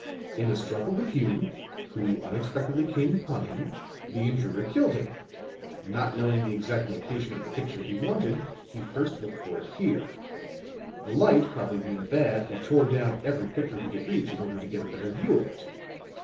"In a struggle with Hume, who unexpectedly came upon him, the intruder killed him. Not knowing the exact location of the picture he wanted, he first looked for it here. The light probably being bad he tore down every picture he could reach in order to get a better view of it.